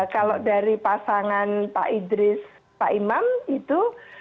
kalau dari pasangan pak idris pak imam itu